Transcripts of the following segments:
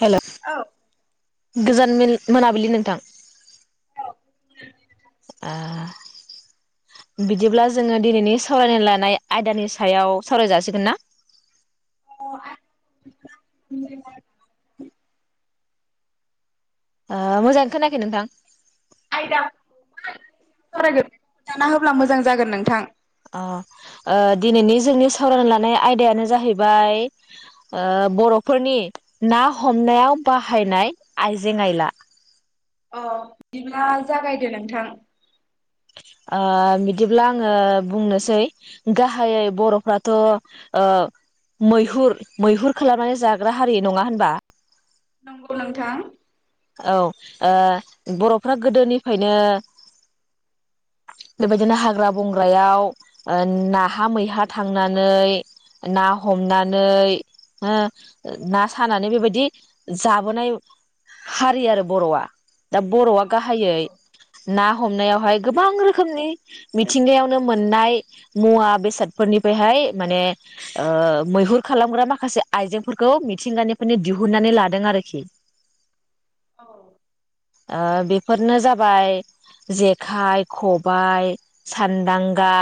Hello औ गोजोन मोनाबिलि नोंथां ओ बिदिब्ला जोङो दिनैनि सावरायनो लानाय आयदानि सायाव सावराय जाासिगोन ना? अ [unintelligible] मोजाङै खोनाखै नोंथां‌। आयदाफोरखौ मा सावरायगोन खोन्थाना होब्ला मोजां जागोन नोंथां अ दिनैनि जोंनि सावरायना लानाय आयदायानो जाहैबाय बर'फोरनि ना हमनायाव बाहायनाय आइजें आयला औ बिदिब्ला जागायदो नोंथां बिदिब्ला आङो बुंनोसै गाहाय बर'फ्राथ' मैहुर मैहुर खालामनानै जाग्रा हारि नङा होनबा नंगौ नोंथां औ बर'फ्रा गोदोनिफ्रायनो बेबायदिनो हाग्रा बंग्रायाव नाहा मैहा थांनानै ना हमनानै ना सानानै बेबायदि जाबोनाय हारि आरो बर'आ दा बर'आ गाहायै ना हमनायावहाय गोबां रोखोमनि मिथिंगायावनो मोननाय मुवा बेसादफोरनिफ्रायहाय माने मैहुर खालामग्रा माखासे आइजेंफोरखौ मिथिंगानिफ्रायनो दिहुननानै लादों आरोखि औ बेफोरनो जाबाय जेखाइ खबाय सानदांगा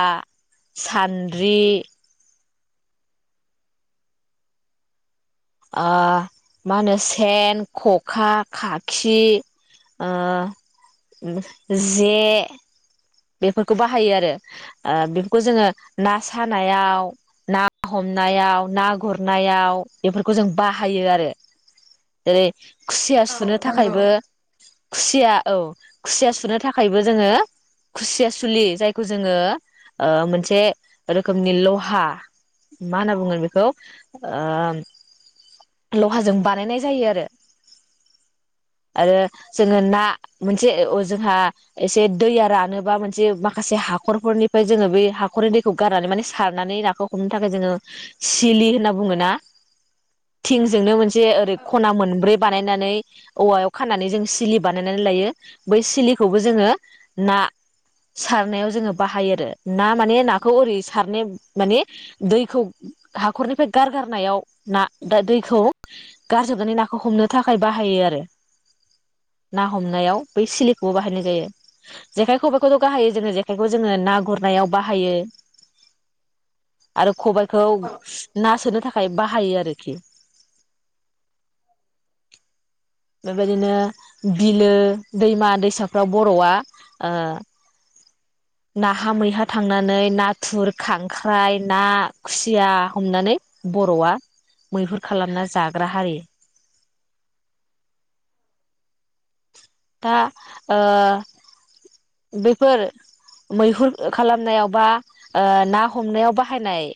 सान्द्रि मा होनो सेन खखा खाखि जे बेफोरखौ बाहायो आरो बेफोरखौ जोङो ना सानायाव ना हमनायाव ना गुरनायाव बेफोरखौ जों बाहायो आरो जेरै खुसिया औ सुनो नंगौ थाखायबो खुसिया औ खुसिया सुनो थाखायबो जोङो खुसिया सुलि जायखौ जोङो मोनसे रोखोमनि लहा मा होनना बुंगोन बेखौ लहाजों बानायनाय जायो आरो आरो जोङो ना मोनसे जोंहा एसे दैया रानोबा मोनसे माखासे हाखरफोरनिफ्राय जोङो बे हाखरनि दैखौ गारनानै माने सारनानै नाखौ हमनो थाखाय जोङो सिलि होनना बुङो ना? थिंजोंनो मोनसे ओरै औ खना मोनब्रै बानायनानै औवायाव खानानै जों सिलि बानायनानै लायो बै सिलिखौबो जोङो ना सारनायाव जोङो बाहायो आरो ना माने नाखौ ओरै सारनो माने दैखौ हाखरनिफ्राय गारगारनायाव न। दा दैखौ गारजोबनानै नाखौ हमनो थाखाय बाहायो आरो ना हमनायाव बै सिलिखौबो बाहायनाय जायो जेखाय खबाइखौथ' बाहायो जोङो जेखायखौ जोङो ना गुरनायाव बाहायो आरो खबाय खौ ना सोनो थाखाय थाखाय बाहायो आरो। खि बेबायदिनो बिलो दैमा दैसाफ्राव बर'आ नाहा मैहा थांनानै नाथुर खांख्राइ ना खुसिया हमनानै बर'आ मैहुर खालामना जाग्रा हारि। दा बेफोर मैहुर खालामनायाव बा ना हमनायाव बाहायनाय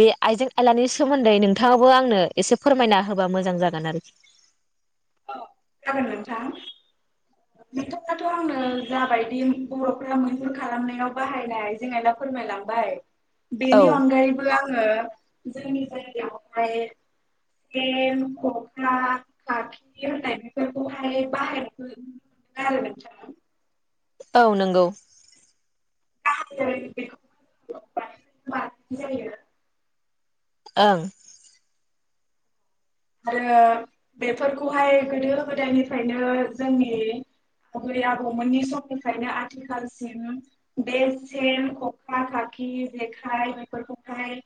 बे आइजें आयलानि सोमोन्दै नोंथाङाबबो आंनो एसे फोरमायना होबा मोजां जागोन आरोखि। औ गाबोन नोंथां नथाङाथ' आंनो जाबायदि बर'फ्रा मैहुर खालामनायाव बाहायनाय [unintelligible] फोरमायलांबाय। औ बेनि अनगायैबो आङो जोंनि जायगायावहाय जम खखा खाख्रि होननाय बेफोरखौहाय बाहेरोन [unintelligible] औ नंगौ। ज ज [unintelligible] ओं आरो बेफोरखौहाय गोदो गोदायनिफ्रायनो जोंनि आबै आबौमोननि समनिफ्रायनो आथिखालसिम बे सेन खखा खाखि जेखाइ बेफोरखौहाय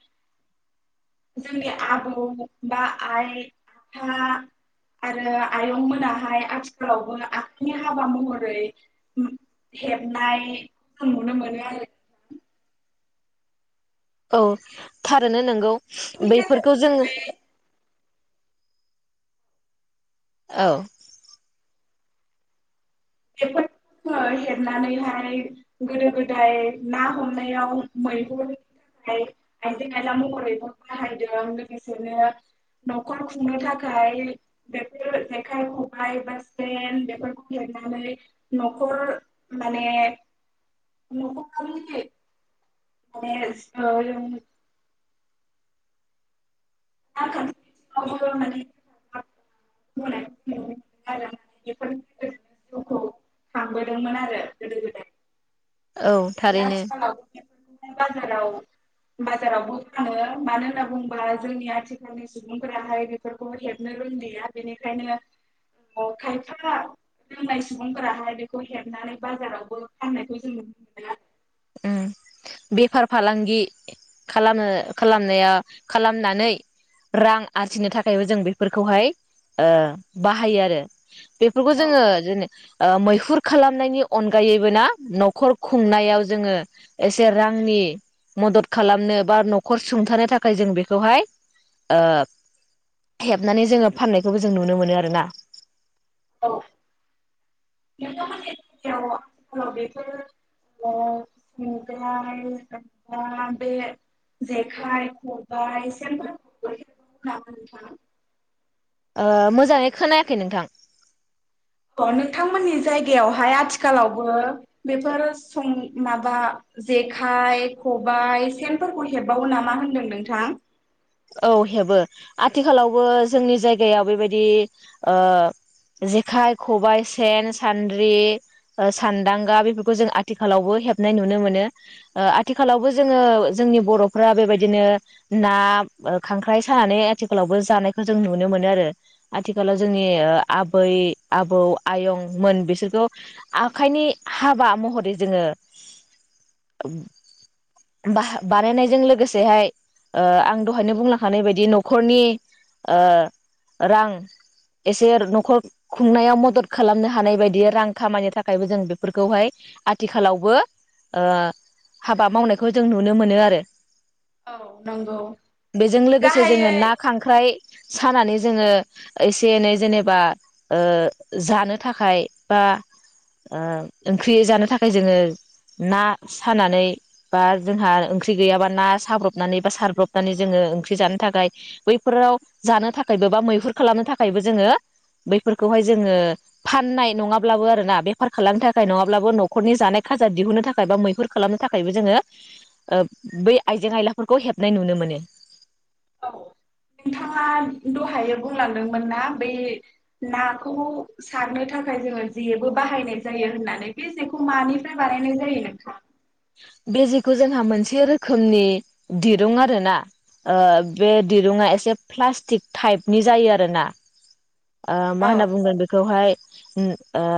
जोंनि आबौ बा आइ। आखा आरो आयं मोनाहाय आथिखालावबो आखाइनि हाबा महरै हेबनायखौ जों नुनो मोनो आरो। औ थारो नोंगौ। बेनि बैफोरखौ जोङो गेजेरजोंहाय औ बेफोरखौ जङो हेबनानैहाय गोदो गोदाय ना हमनायाव मैहुरनि थाखाय आइजें आयला महरैह बाहायदों लोगोसेनो न'खर खुंनो थाखाय बेफोर जेखाइ खबाय बा सेन बेफोरखौ ह नखर माने नखर [unintelligible] [unintelligible] आरो मे बेफोरनि गेजेर जिउखौ खांबोदोंमोन आरो गोदो गोदाय औ थारैनो। आथिखालाव बाजाराव बाजारावबो फानो मानो होनना बुङोबा जोंनि आथिखालनि सुबुंफोराहाय बेफोरखौ हेबनो रोंलिया बेनिखायनो खायफा रोंनाय सुबुंफोराहाय बेखौ हेबनानै बाजारावबो फाननायखौ जों नुनो मोनो। उम बेफार फालांगि खालामो खालामनाया खालामनानै रां आरजिनो थाखायबो जों बेफोरखौहाय बाहायो आरो। बेफोरखौ जोङो जेने मैहुर खालामनायनि अनगायैबो ना न'खर खुंनायाव जोङो एसे रांनि मदद खालामनो बा न'खर सुंथानो थाखाय जों बेखौहाय हेबनानै जोङो फाननायखौबो जों नुनो मोनो आरोना। औ नोंथांमोननि जायगायाव आथिखालाव बेफोर संगायबा बे जेखाइ खबाइ सेनफोरखौ [unintelligible] नामा नोंथाङा। मोजाङै खोनायाखै नोंथां। अ नोंथांमोननि जायगायावहाय आथिखालावबो बेफोर सं माबा जेखाइ खबायाइ सेनफोरखौ हेबबावो नामा होनदों नोंथां? औ हेबो आथिखालावबो जोंनि जायगायाव बेबायदि जेखाइ खबायाइ सेन सान्द्रि सान्दांगा बेफोरखौ जों आथिखालावबो हेबनाय नुनो मोनो आथिखालावबो जोङो जोंनि बर'फ्रा बेबायदिनो ना खांख्राइ सानानै आथिखालावबो जानायखौ जों नुनो मोनो आरो आथिखालाव जोंनि आबै आबौ आयंमोन बिसोरखौ आखाइनि हाबा महरै जोङो बानायनायजों लोगोसेहाय ओ आं दहायनो बुंलां हानाय बायदि न'खरनि रां एसे न'खर खुंनायाव मदद खालामनो हानाय बायदि रां खामानि थाखायबो जों बेफोरखौहाय आथिखालावबो हाबा मावनायखौ जों नुनो मोनो आरो। औ नोंगौ बेजों लोगोसे जोङो ना खांख्राइ सानानै जोङो एसे एनै जेनेबा जानो थाखाय बा ओंख्रि जानो थाखाय जोङो ना सानानै बा जोंहा ओंख्रि गैयाबा ना साब्रबनानै बा सारब्रबनानै जोङो ओंख्रि जानो थाखाय बैफोराव जानो थाखायबो बा मैहुर खालामनो थाखायबो जोङो बैफोरखौहाय जोङो फाननाय नङाब्लाबो आरोना बेफार खालामनो थाखाय नङाब्लाबो न'खरनि जानाय खाजा दिहुनो थाखाय बा मैहुर खालामनो थाखायबो जोङो बै आइजें आयलाफोरखौ हेबनाय नुनो मोनो। औ नोंथाङा दहाय बुंलांदोंमोन ना बे नाखौ सारनो थाखाय जोङो जेबो बाहायनाय जायो होननानै बे जेखौ मानिफ्राय बानायनाय जायो नोंथां? बे जेखौ जोंहा मोनसे रोखोमनि दिरुं आरोना ओ बे दिरुा एसे प्लास्टिक टाइपनि जायो आरोना ओ मा औ होनना बुंगोन बेखौहाय उम ओ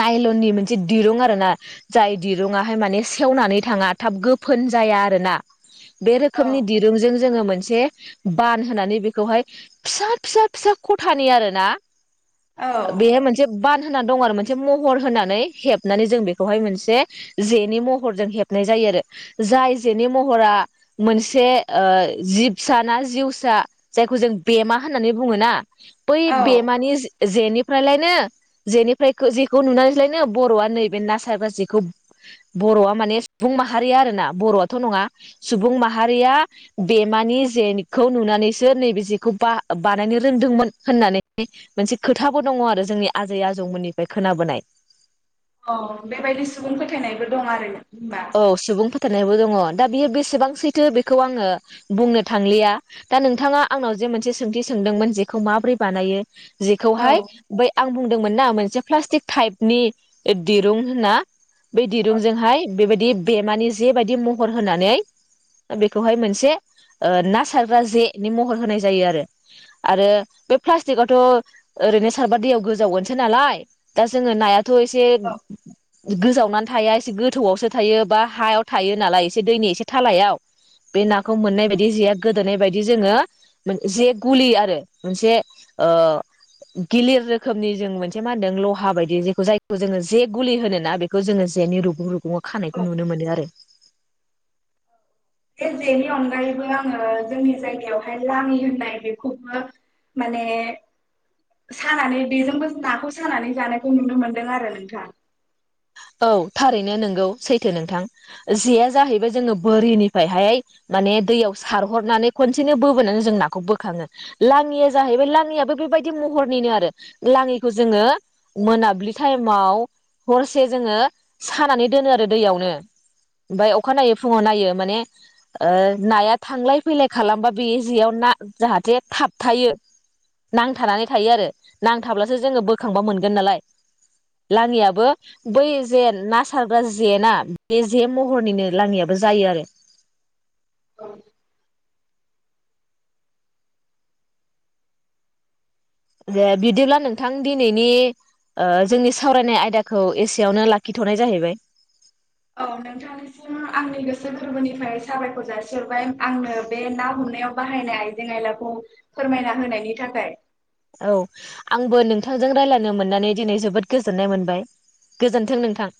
नायलननि मोनसे दिरुं आरो ना जाय दिरुङाहाय माने सेवनानै थाङा थाब गोफोन जाया आरोना। बे औ रोखोमनि दिरुंजों जोङो मोन से बान होनानै बेखौहाय फिसा फिसा फिसा खथानि आरोना औ बेहाय मोनसे बान होनानै दं आरो मोन से महर होनानै हेबनानै जों बेखौहाय मोनसे जेनि महर जों हेबनाय जायो आरो। जाय जेनि महरा मोनसे ओ जिबसा ना जिउसा जायखौ जों बेमा होननानै बुङो ना बै औ बेमानि [unintelligible] जेनिफ्रायलायनो जेनिफ्राय जेखौ नुनानैसोलायनो बर'आ नैबे ना सारग्रा जेखौ बर'आ माने सुबुं माहारिया आरोना बर'आथ' नङा सुबुं माहारिया बेमानि जेखौ नुनानैसो नैबे जेखौ बा बानायनो रोंदोंमोन होननानै मोनसे खोथाबो दङ आरो जोंनि आजै आजौमोननि बे खोनाबोनाय अ बेबायदि सुबुं फोथायनायबो दं आरो होनबा औ सुबुं फोथानेयबो दङ। दा बियो बेसेबां सैथो बेखौ आङो बुंनो थांलिया। दा नोंथाङा आंनाव जे मोनसे सोंथि सोंदोंमोन जेखौ माबोरै बानायो औ जेखौहाय बै आं बुं दोंमोन ना मोनसे प्लासटिक टाइपनि दिरुं होनना। बे दिरुंजोंहाय बेबायदि बेमानि जे बायदि महर होनानै बेखौहाय मोनसे ओ ना सारग्रा जेनि महर होनाय जायो आरो बेथ' ओैनो सारबा दैयाव गोजावगोनसै नालाय दा जों नाया खौ एसे औ गोजावनानै थाया एसे गो थौ आवसो थायो बा हायाव थायो नालाय एसे दैनि एसे थालायाव बे नाखौ मोननाय बायदि जेआ गोदोनाय बायदि जोङो जे गुलि आरो मोनसे ओ गिलिर रोखोमनि जों मोनसे मा होनदों लहा बायदि जेखौ जायखौ जोङो जे गुलि होन ना बेखौ जोङो जेनि रुबुं रु बुङाव खानायखौ औ नुनो मोनो आरो। जेनि अनगायैबो आङो जोंनि जायगायावहाय लाङि होननाय बेखौबो माने सानानै बेजोंबो नाखौ सानानै जानायखौ नुनो मोनदों आरो नोंथाङा। औ थारैनो नंगौ सैथो नोंथां जेया जाहैबाय जोङो बोरिनिफ्रायहाय माने दैयाव सारहरनानै खनसेनो बबोनानै जों नाखौ बोखाङो लाङिया जाहैबाय लाङियाबो बेबायदि महरनिनो आरो लाङिखौ जोङो मोनाब्लि टाइमाव हर से जोङो सानानै दोनो आरो दैयावनो ओमफ्राय अखा नायै फुङाव नायो माने नाया थांलाय फैलाय खालामबा बे जेयाव ना जाहाथे थाबथायायो नांथानानै थायो आरो नांथाब्लासो जोङो बोखांबा मोनगोन नालाय लाङियाबो बै जे ना सारग्रा जेना बे जे महरनिनो लाङियाबो जायो आरो। औ। दे बिदिब्ला नोंथां दिनैनि ओ जोंनि सावरायनाय आयदाखौ एसेयावनो लाखिथ'नाय जाहैबाय। औ नोंथांनिसिम आंनि गोसो गोरबोनिफ्राय साबायखर जासिरबाय आंनो बे ना हमनायाव बाहायनाय आइजें आयलाखौ फोरमायना होनायनि थाखाय। औ आंबो नोंथांजों रायज्लायनो मोननानै दिनै जोबोद गोजोननाय मोनबाय, गोजोन्थों नोंथां।